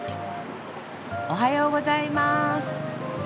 おはようございます。